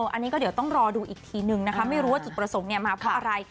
อันนี้ก็เดี๋ยวต้องรอดูอีกทีนึงนะคะไม่รู้ว่าจุดประสงค์มาเพราะอะไร